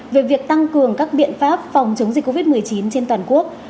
về việc tăng cường các biện pháp phòng chống dịch covid một mươi chín trên toàn quốc